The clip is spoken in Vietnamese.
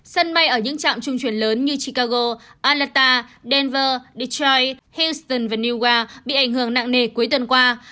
sân bay ở những trạm trung chuyển lớn như chicago atlanta denver detroit houston và new york bị ảnh hưởng nặng nề cuối tuần qua